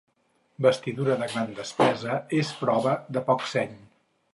Vestidura de gran despesa és prova de poc seny.